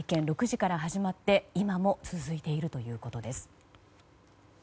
６時から始まって今も続いているということです。